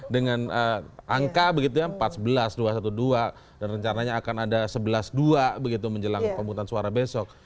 dengan angka begitu ya empat belas dua ratus dua belas dan rencananya akan ada sebelas dua begitu menjelang pemutusan suara besok